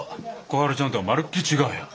小春ちゃんとはまるっきり違うよ。